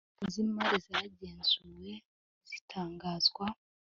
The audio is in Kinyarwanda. raporo z imari zagenzuwe zitangazwa